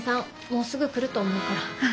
もうすぐ来ると思うから。